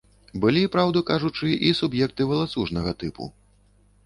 Былі, праўду кажучы, і суб'екты валацужнага тыпу.